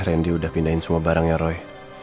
randy udah pindahin semua barangnya roy